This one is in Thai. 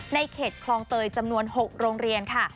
เขตคลองเตยจำนวน๖โรงเรียนค่ะ